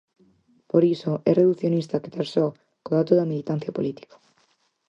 Por iso, é reducionista quedar só co dato da militancia política.